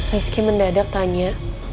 rizky mendadak tanya